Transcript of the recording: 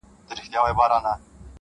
• په امان له هر مرضه په تن جوړ ؤ,